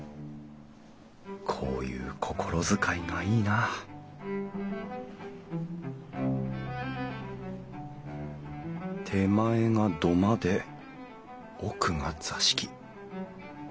こういう心遣いがいいな手前が土間で奥が座敷。